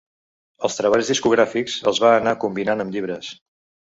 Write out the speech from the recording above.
Els treballs discogràfics els va anar combinant amb llibres.